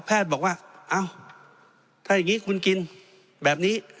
บอกว่าเอ้าถ้าอย่างนี้คุณกินแบบนี้